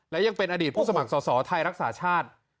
และยังเป็นอดีตผู้สมัครสอสอไทยรักษาชาติ